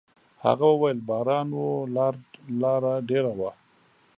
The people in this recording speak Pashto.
هغه وويل: «باران و، لاره ډېره وه.»